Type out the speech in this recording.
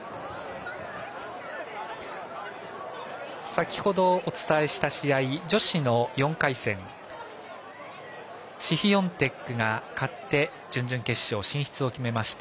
先程、お伝えした試合女子の４回戦シフィオンテクが勝って準々決勝進出を決めました。